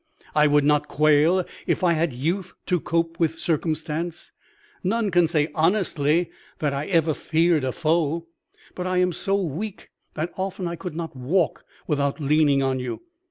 I would not quail if I had youth to cope with circumstance; none can say honestly that I ever feared a foe; but I am so weak that often I could not walk without leaning on you.